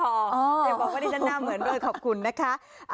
อย่าบอกว่าที่ฉันน่าเหมือนคุณนะคะ